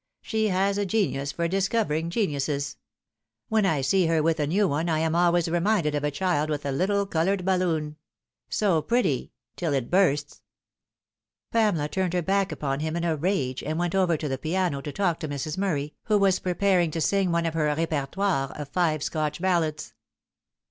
She has a genius for discovering geniuses. When I see her with a new one, I am always reminded of a child with a little coloured balloon. So pretty till it bursts !" Pamela turned her back upon him in a rage, and went over to the piano to talk to Mrs. Murray, who was preparing to sing one of her repertoire of five Scotch ballads.